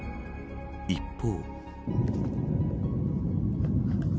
一方。